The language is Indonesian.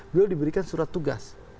belum diberikan surat tugas